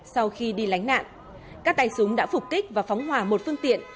sau khi đi lánh nạn các tay súng đã phục kích và phóng hỏa một phương tiện